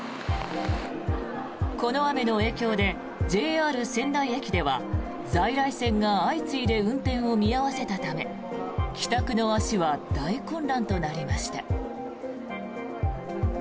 この雨の影響でＪＲ仙台駅では在来線が相次いで運転を見合わせたため帰宅の足は大混乱となりました。